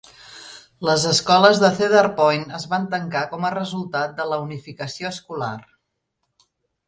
Les escoles de Cedar Point es van tancar com a resultat de la unificació escolar.